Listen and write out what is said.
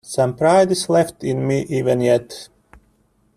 Some pride is left in me even yet.